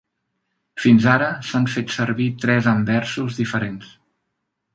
Fins ara, s'han fet servir tres anversos diferents.